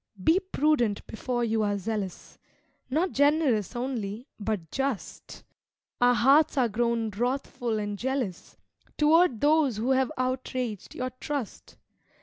Be prudent before you are zealous, Not generous only but just. Our hearts are grown wrathful and jealous Toward those who have outraged your trust.